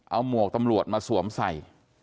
เอาหมวกตำรวจมาสวมใส่